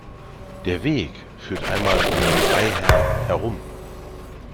Der Weg führt einmal um den Weiher herum.